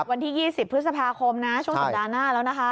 วันที่๒๐พฤษภาคมนะช่วงสัปดาห์หน้าแล้วนะคะ